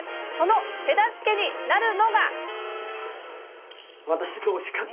その手助けになるのが。